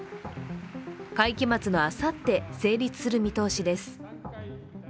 会期末のあさって、成立する見通しです。